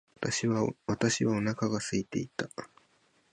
私はお腹が空いていた。